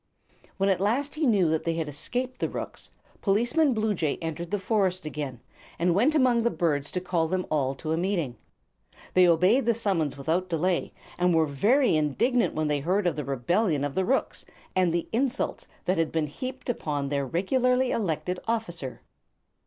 When at last he knew that they had escaped the rooks, Policeman Bluejay entered the forest again and went among the birds to call them all to a meeting. They obeyed the summons without delay, and were very indignant when they heard of the rebellion of the rooks and the insults that had been heaped upon their regularly elected officer.